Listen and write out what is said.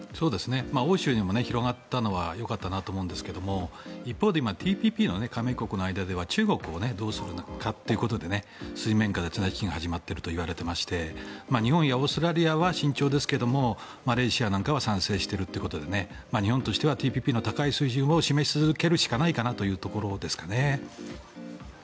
欧州にも広がったのはよかったなと思いますが一方で今、ＴＰＰの加盟国の間で中国をどうするかということで水面下で綱引きが始まっているといわれていまして日本やオーストラリアは慎重ですがマレーシアなんかは賛成しているということで日本としてはＴＰＰの高い水準を示し続けるしかないというところですかね。